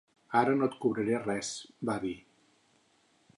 "Ara no et cobraré res", va dir.